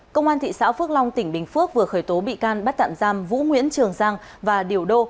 công an thị xã phước long tỉnh bình phước vừa khởi tố bị can bắt tạm giam vũ nguyễn trường giang và điều đô